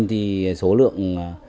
thì số lượng